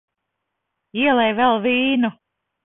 Ielej vēl vīnu.